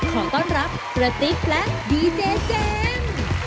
ขอต้อนรับกระติ๊บและดีเจเจมส์